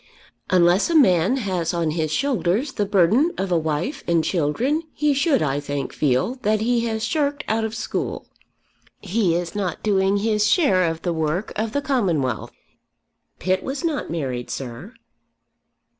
"Unless a man has on his shoulders the burden of a wife and children he should, I think, feel that he has shirked out of school. He is not doing his share of the work of the Commonwealth." "Pitt was not married, sir."